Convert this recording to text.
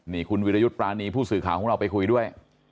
นี่คุณวิรยุทธ์ปรานีผู้สื่อข่าวของเราไปคุยด้วย